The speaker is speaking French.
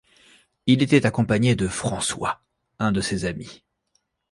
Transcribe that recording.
Il était accompagné de François, un de ses amis.